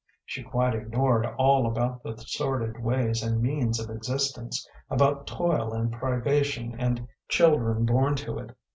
She quite ignored all about the sordid ways and means of existence, about toil and privation and children born to it.